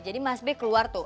jadi mas ben keluar tuh